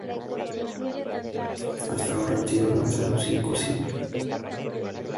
Hasta ahora, han sido lanzados cinco singles.